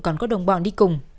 còn có đồng bọn đi cùng